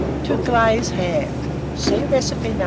TO GLAZE HAM. (See Recipe No.